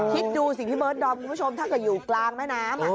คิดดูสิพี่เบิร์ดดอมคุณผู้ชมถ้าเกิดอยู่กลางแม่น้ำ